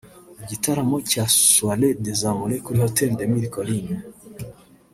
igitaramo cya Soirée des Amoureux kuri Hotel de Mille Collines